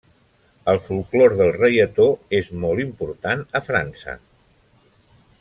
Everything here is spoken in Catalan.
El folklore del reietó és molt important a França.